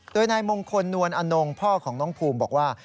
โดยนายมงคลนวลอนงพ่อของน้องภูมิบอกว่า